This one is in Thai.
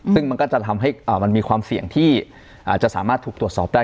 ซึ่งมันก็จะทำให้มันมีความเสี่ยงที่จะสามารถถูกตรวจสอบได้